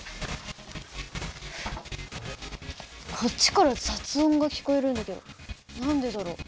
こっちから雑音が聞こえるんだけど何でだろう？